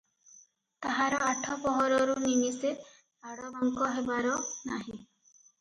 ତାହାର ଆଠ ପହରରୁ ନିମିଷେ ଆଡ଼ବାଙ୍କ ହେବାର ନାହିଁ ।